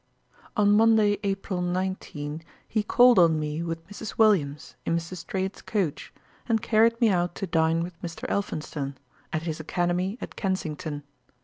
On Monday, April 19, he called on me with Mrs. Williams, in Mr. Strahan's coach, and carried me out to dine with Mr. Elphinston, at his academy at Kensington.